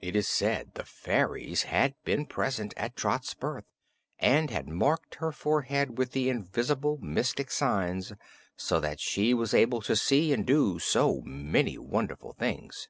It is said the fairies had been present at Trot's birth and had marked her forehead with their invisible mystic signs, so that she was able to see and do many wonderful things.